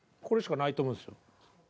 これしかないと思うんですよ。